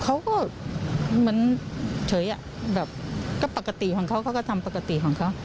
เขาก็เหมือนเฉยอ่ะแบบก็ปกติของเขาเขาก็ทำปกติของเขา